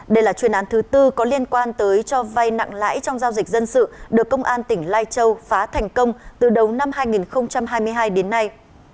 đây là chuyên án thứ tư có liên quan tới cho vay nặng lãi trong giao dịch dân sự được công an tỉnh lai châu phá thành công từ đầu năm hai nghìn hai mươi hai đến nay